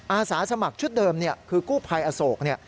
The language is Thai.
อาสาสมัครชุดเดิมคือกู้ภัยอโศกเนี่ย